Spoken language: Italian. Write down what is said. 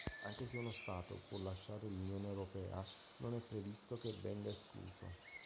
Anche se uno Stato può lasciare l'Unione europea, non è previsto che venga escluso.